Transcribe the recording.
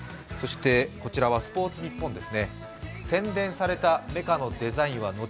こちらは「スポーツニッポン」です。